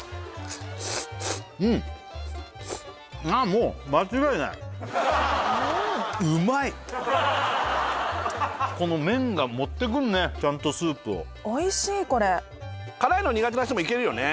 もううまいこの麺が持ってくんねちゃんとスープをおいしいこれ辛いの苦手な人もいけるよね